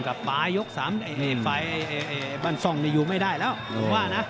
ปลายยก๓ไอ้ไฟบ้านซ่องนี่อยู่ไม่ได้แล้วว่านะ